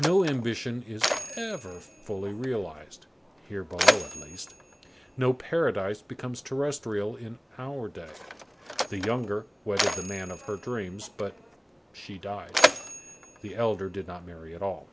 No ambition is ever fully realized, here below at least. No paradise becomes terrestrial in our day. The younger wedded the man of her dreams, but she died. The elder did not marry at all.